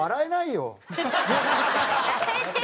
やめてよ！